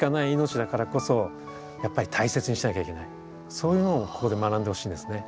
そういうのをここで学んでほしいんですね。